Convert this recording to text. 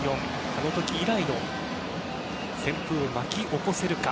あの時以来の旋風を巻き起こせるか。